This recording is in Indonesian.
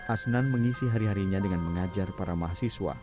asnan mengisi hari harinya dengan mengajar para mahasiswa